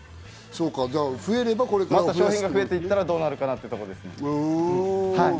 また商品が増えていったらどうなるかっていうところです。